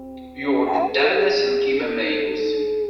Yuɣ-d Dan aselkim amaynut.